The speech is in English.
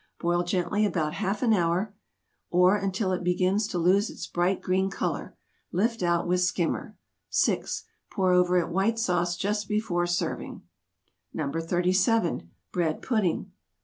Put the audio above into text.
Boil gently about half hour, or until it begins to lose its bright green color. Lift out with skimmer. 6. Pour over it White Sauce just before serving. [Illustration: Young green cabbage.] NO. 37. BREAD PUDDING.